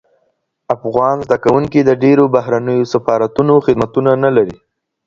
افغان زده کوونکي د ډیرو بهرنیو سفارتونو خدمتونه نه لري.